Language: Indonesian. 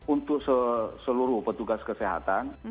untuk seluruh petugas kesehatan